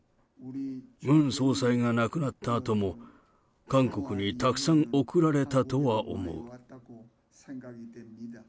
ムン総裁が亡くなったあとも、韓国にたくさん送られたとは思う。